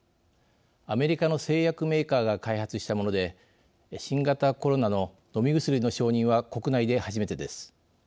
アメリカの製薬メーカーが開発したもので新型コロナの飲み薬の承認は国内で初めてです。